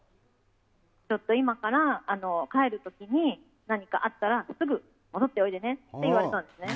今から帰る時に何かあったらすぐ戻っておいでねって言われたんですね。